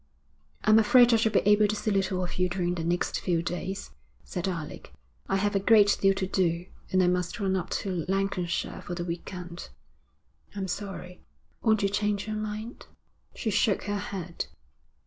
'I'm afraid I shall be able to see little of you during the next few days,' said Alec. 'I have a great deal to do, and I must run up to Lancashire for the week end.' 'I'm sorry.' 'Won't you change your mind?' She shook her head.